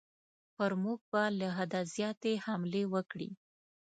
پر موږ به له حده زیاتې حملې وکړي.